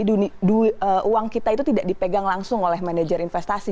karena uang kita itu tidak dipegang langsung oleh manajer investasi